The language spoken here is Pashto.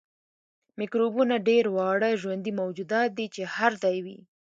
میکروبونه ډیر واړه ژوندي موجودات دي چې هر ځای وي